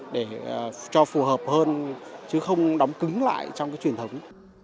để cho phù hợp hơn chứ không đóng cứng lại trong cái truyền thống